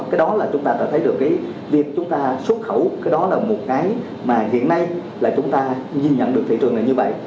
cái đó là chúng ta đã thấy được cái việc chúng ta xuất khẩu cái đó là một cái mà hiện nay là chúng ta nhìn nhận được thị trường này như vậy